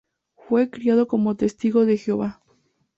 Fue criado como Testigo de Jehová.